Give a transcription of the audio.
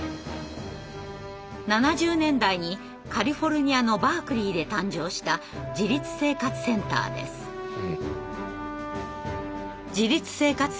７０年代にカリフォルニアのバークリーで誕生した「自立生活センター」は障害者自身が運営する組織です。